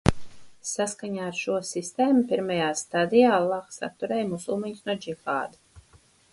Saskaņā ar šo sistēmu, pirmajā stadijā Allāhs atturēja musulmaņus no džihāda.